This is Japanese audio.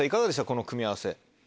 この組み合わせ。